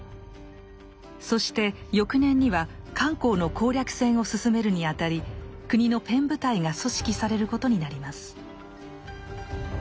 そして翌年には漢口の攻略戦を進めるにあたり国の「ペン部隊」が組織されることになります。